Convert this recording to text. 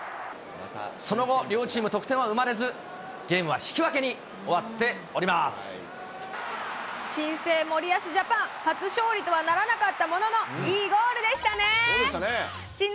その後、両チーム得点は生まれず、ゲームは引き分けに終わっており新生森保ジャパン、初勝利とはならなかったものの、いいゴールでしたね。